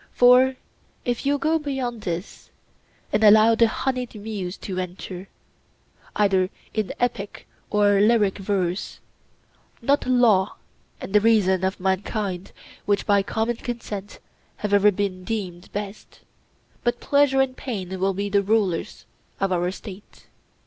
For if you go beyond this and allow the honeyed muse to enter, either in epic or lyric verse, not law and the reason of mankind, which by common consent have ever been deemed best, but pleasure and pain will be the rulers in our State.